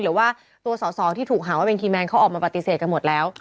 หรือว่าตัวสอสอที่ถูกหาว่าเป็นคีย์แมนเขาออกมาปฏิเสธกันหมดแล้ว